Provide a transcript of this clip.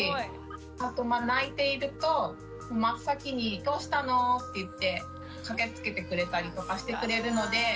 あと泣いていると真っ先に「どうしたの？」って言って駆けつけてくれたりとかしてくれるので。